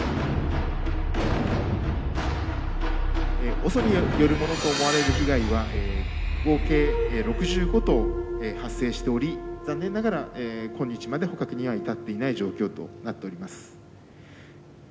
ＯＳＯによるものと思われる被害は合計６５頭発生しており残念ながら今日まで捕獲には至っていない状況となっております。